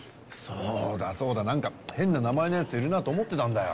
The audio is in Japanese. そうだそうだなんか変な名前の奴いるなと思ってたんだよ。